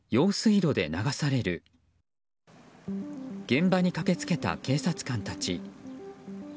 現場に駆け付けた警察官たち。